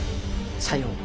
さよう。